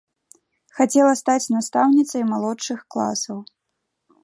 Хацела стаць настаўніцай малодшых класаў.